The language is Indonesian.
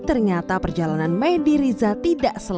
ternyata perjalanan mehdi riza tidak sempurna